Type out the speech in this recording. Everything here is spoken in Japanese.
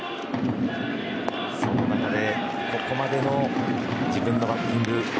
その中でここまでの自分のバッティング。